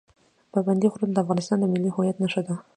پابندی غرونه د افغانستان د ملي هویت نښه ده.